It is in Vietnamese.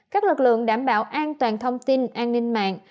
các lực lượng đảm bảo an toàn thông tin an ninh mạng